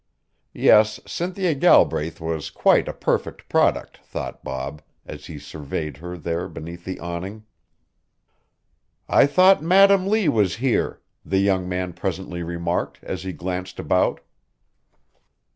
Yes, Cynthia Galbraith was quite a perfect product, thought Bob, as he surveyed her there beneath the awning. "I thought Madam Lee was here," the young man presently remarked, as he glanced about.